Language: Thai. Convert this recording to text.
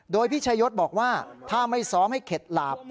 โดยพี่ชายศบอกว่าถ้าไม่ซ้อมให้เข็ดหลาบ